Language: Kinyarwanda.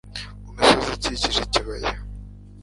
mu misozi ikikije ikibaya